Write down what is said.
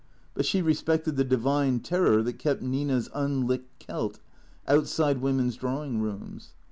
But she respected the divine terror that kept Nina's unlicked Celt outside women's drawing rooms.